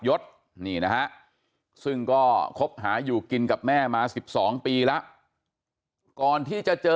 ยศนี่นะฮะซึ่งก็คบหาอยู่กินกับแม่มา๑๒ปีแล้วก่อนที่จะเจอ